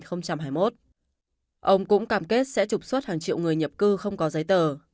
ông cũng cam kết sẽ trục xuất hàng triệu người nhập cư không có giấy tờ